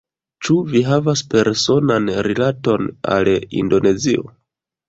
Ĉu vi havas personan rilaton al Indonezio?